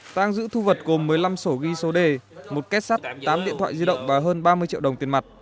tăng giữ thu vật gồm một mươi năm sổ ghi số đề một két sắt tám điện thoại di động và hơn ba mươi triệu đồng tiền mặt